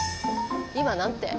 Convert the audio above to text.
今何て？